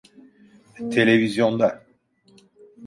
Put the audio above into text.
Televizyonda.